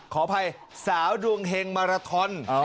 ขออภัยสาวดวงเฮงมาราทอน